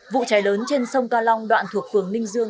vụ cháy lớn trên sông ca long đoạn thuộc phường ninh dương